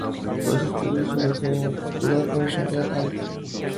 Los estudios de filogenia molecular de Ohlson "et al".